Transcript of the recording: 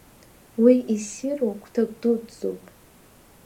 Уи иссиру гәҭак дуӡӡоуп.